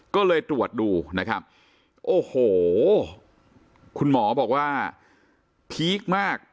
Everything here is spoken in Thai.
ก็เลยตรวจดูนะครับโอ้โหคุณหมอบอกว่าพีคมาก